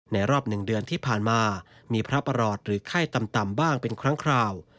รอบ๑เดือนที่ผ่านมามีพระประหลอดหรือไข้ต่ำบ้างเป็นครั้งคราว